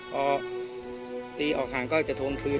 พอตีออกห่างก็จะทวงคืน